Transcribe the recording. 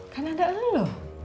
kan ada elu loh